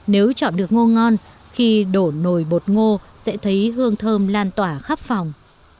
nếu chọn được ngô ngon khi đổ nồi bột ngô sẽ thấy hương thơm lan tỏa khắp phòng